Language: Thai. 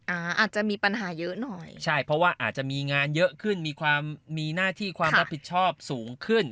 อาจจะมีปัญหาเยอะหน่อยใช่เพราะว่าอาจจะมีงานเยอะขึ้นมีความมีหน้าที่ความรับผิดชอบสูงขึ้น